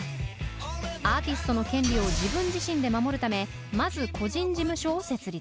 アーティストの権利を自分自身で守るためまず個人事務所を設立。